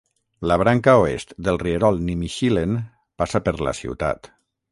La branca oest del rierol Nimishillen passa per la ciutat.